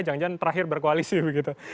jangan jangan terakhir berkoalisi begitu